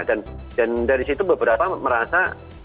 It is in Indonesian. dan dari situ beberapa merasa